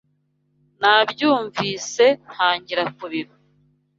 Nabyumvise, ntangira kurira.